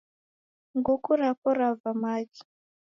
Nguku rapo rava maghi